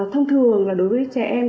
thông thường là đối với trẻ em